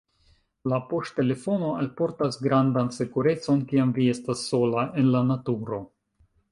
La poŝtelefono alportas grandan sekurecon, kiam vi estas sola en la naturo.